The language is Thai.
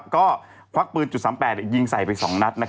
ก็ควักปืน๓๘ยิงใส่ไป๒นัด